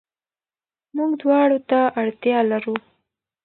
موږ دواړو ته اړتيا لرو.